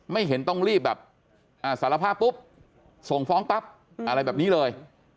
เห็นต้องรีบแบบสารภาพปุ๊บส่งฟ้องปั๊บอะไรแบบนี้เลย